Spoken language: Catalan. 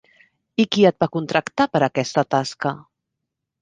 I qui et va contractar per a aquesta tasca?